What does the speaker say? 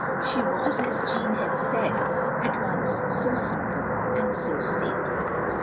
She was, as Jeanne had said, at once so simple and so stately.